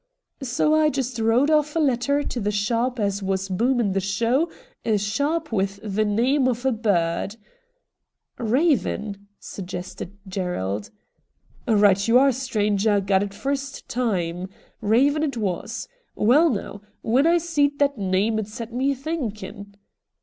So I just wrote off a letter to the sharp as was booming the show, a sharp with the name of a bird.' ' Eaven ?' suggested Gerald. ' Eight you are, stranger ; got it first time, 42 RED DIAMONDS Kaven it was. Waal now, when I seed that . name it set me thinking.'